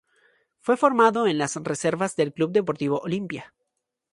Fue formado en las reservas del Club Deportivo Olimpia.